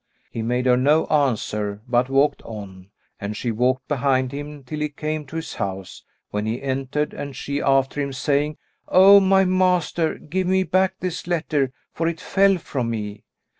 He made her no answer, but walked on, and she walked behind him, till he came to his house, when he entered and she after him, saying, "O my master, give me back this letter, for it fell from me."